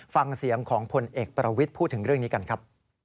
ฟังเสียงของพลเอกประวิทย์พูดถึงเรื่องนี้กันครับ